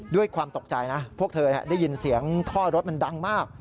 ด้วยความตกใจนะพวกเธอได้ยินเสียงท่อรถมันดังมาก